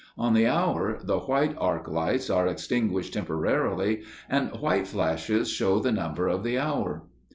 On the hour, the white arc lights are extinguished temporarily, and white flashes show the number of the hour.